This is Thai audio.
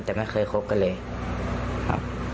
แต่ไม่เคยคบกันเลยครับ